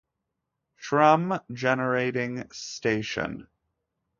Shrum Generating Station.